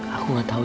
aku gak tahu